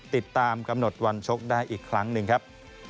ติดตามกำหนดวันชกได้อีกครั้งหนึ่งครับ